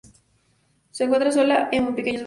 Se encuentra sola o en pequeños grupos.